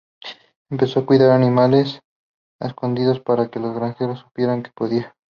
Empezó a cuidar animales a escondidas, para que los granjeros supieran que podía.